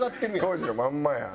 当時のまんまやん。